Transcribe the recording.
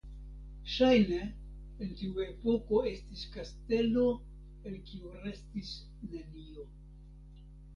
Ŝajne en tiu epoko estis kastelo el kiu restis nenio.